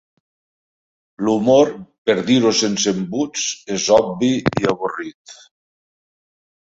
L'humor, per dir-ho sense embuts, és obvi i avorrit...